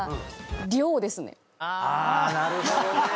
あなるほどね。